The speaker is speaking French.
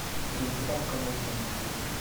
Je ne sais pas comment vous remercier.